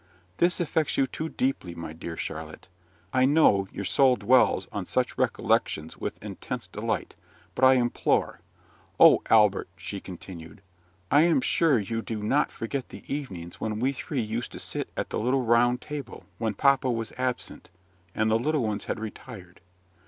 "This affects you too deeply, my dear Charlotte. I know your soul dwells on such recollections with intense delight; but I implore " "O Albert!" she continued, "I am sure you do not forget the evenings when we three used to sit at the little round table, when papa was absent, and the little ones had retired.